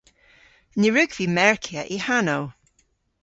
Ny wrug vy merkya y hanow.